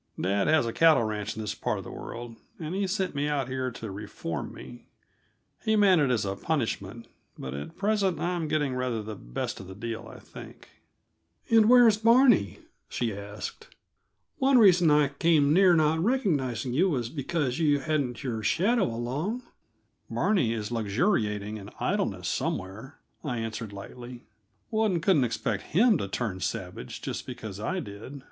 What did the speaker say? Dad has a cattle ranch in this part of the world, and he sent me out here to reform me. He meant it as a punishment, but at present I'm getting rather the best of the deal, I think." "And where's Barney?" she asked. "One reason I came near not recognizing you was because you hadn't your shadow along." "Barney is luxuriating in idleness somewhere," I answered lightly. "One couldn't expect him to turn savage, just because I did.